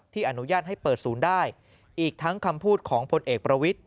อนุญาตให้เปิดศูนย์ได้อีกทั้งคำพูดของพลเอกประวิทธิ